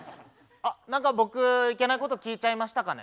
何か僕いけないこと聞いちゃいましたかね？